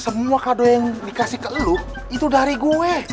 semua kado yang dikasih ke lu itu dari gue